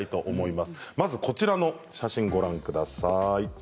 まずこちらの写真をご覧ください。